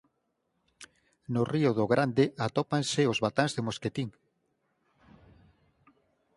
No río do Grande atópanse os batáns de Mosquetín.